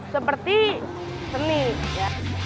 seperti seni ya